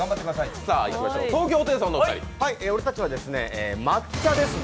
俺たちは抹茶ですね。